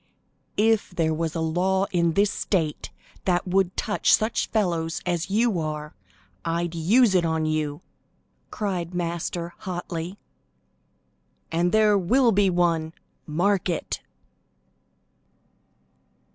"If there was a law in this state that would touch such fellows as you are, I'd use it on you," cried Master hotly, "and there will be one; mark it!"